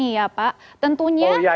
ya pak tentunya